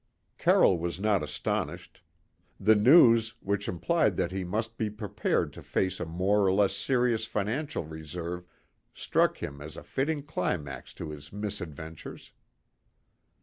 Carroll was not astonished. The news, which implied that he must be prepared to face a more or less serious financial reverse struck him as a fitting climax to his misadventures.